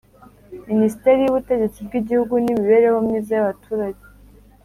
minisiteri y'ubutegetsi bw'igihugu n'lmibereho myiza y'abaturage,